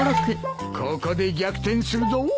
ここで逆転するぞ。